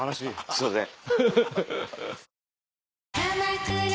すいません。